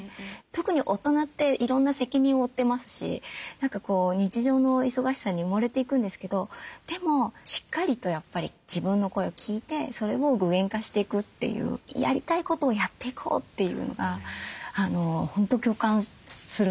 特に大人っていろんな責任を負ってますし日常の忙しさに埋もれていくんですけどでもしっかりとやっぱり自分の声を聞いてそれを具現化していくっていうやりたいことをやっていこうっていうのが本当共感するなと思いました。